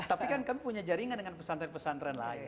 tapi kan kami punya jaringan dengan pesantren pesantren lain